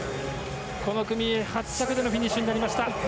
この組、８着でのフィニッシュになりました。